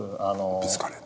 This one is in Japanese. ぶつかれ。